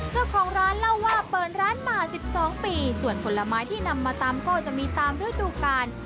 เจ้าของร้านเล่าว่าเปิดร้านมา๑๒ปีส่วนผลไม้ที่นำมาตำก็จะมีตามฤดูกาล